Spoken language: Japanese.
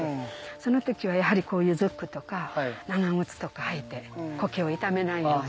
その時はこういうズックとか長靴とか履いて苔を傷めないように。